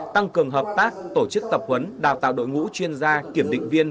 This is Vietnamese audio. tăng cường hợp tác tổ chức tập huấn đào tạo đội ngũ chuyên gia kiểm định viên